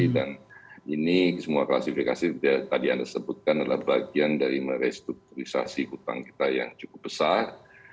dan ini semua klasifikasi yang tadi anda sebutkan adalah bagian dari merestrukturisasi hutang kita yang cukup besar